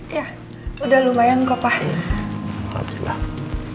iya udah lumayan kok pak